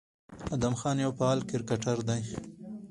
ادم خان يو فعال کرکټر دى،